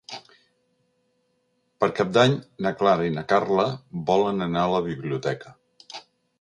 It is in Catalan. Per Cap d'Any na Clara i na Carla volen anar a la biblioteca.